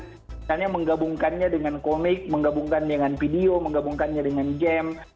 misalnya menggabungkannya dengan komik menggabungkan dengan video menggabungkannya dengan game